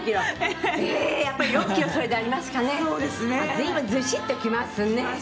「随分ズシッときますね」